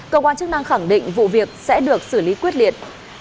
cơ quan chức năng khẳng định vụ việc sẽ được xử lý quyết liệt